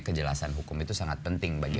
kejelasan hukum itu sangat penting bagi